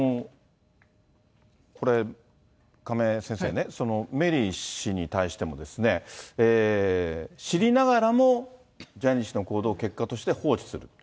これ、亀井先生ね、メリー氏に対してもですね、知りながらもジャニー氏の行動を結果として放置する。